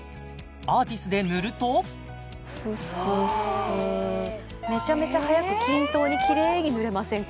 アーティスで塗るとスッスッスーめちゃめちゃ早く均等にキレイに塗れませんか？